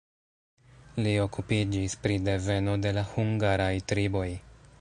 Li okupiĝis pri deveno de la hungaraj triboj.